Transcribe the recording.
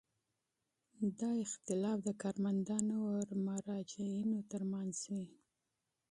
دا اختلاف د کارمندانو او مراجعینو ترمنځ وي.